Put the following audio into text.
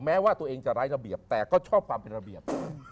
แม้ว่าตัวเองจะไร้ระเบียบแต่ก็ชอบความเป็นระเบียบ